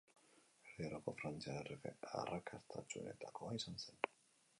Erdi Aroko frantziar errege arrakastatsuenetakoa izan zen.